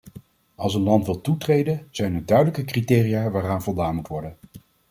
Als een land wil toetreden, zijn er duidelijke criteria waaraan voldaan moet worden.